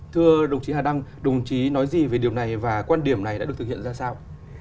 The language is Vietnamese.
thưa đồng chí hà đăng đồng chí nói gì về điều này và quan điểm này đã được thực hiện ra sao